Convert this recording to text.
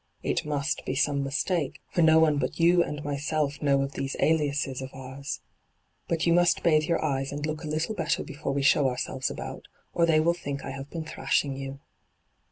It must be some mistake, for no one but yon and myself know of these aliases of ours. But you must bathe your eyes and look a little better before we show ourselves about, or they will think I have been thrash ing you.'